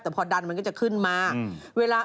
แต่พอดันมันก็จะขึ้นมาเวลา